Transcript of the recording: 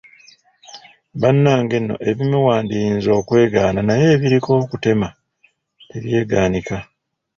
Bannange nno ebimu wandiyinza okwegaana naye ebiriko akutema tebyegaanika